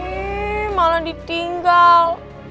ih malah ditinggal